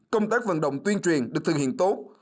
công tác vận động tuyên truyền được thực hiện tốt